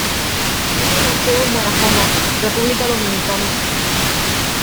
Fello nació en Barahona, República Dominicana.